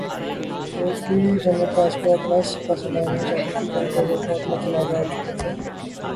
فوج بھی جنرل فیض کو اگلا سپاسالار نہیں چاہتی تھی، کیونکہ وہ بہت متنازع ہوچکے تھے۔۔